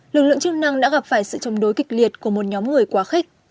lực lượng chức năng đã gặp phải sự chống đối kịch liệt của một nhóm người quá khích